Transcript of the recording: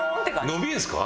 伸びるんですか？